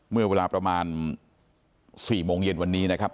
เมื่อเวลาประมาณ๔โมงเย็นวันนี้นะครับ